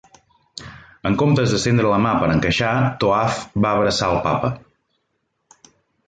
En comptes d'estendre la mà per encaixar, Toaff va abraçar el Papa.